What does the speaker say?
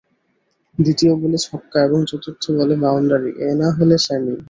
দ্বিতীয় বলে ছক্কা এবং চতুর্থ বলে বাউন্ডারি, এই না হলে স্যামি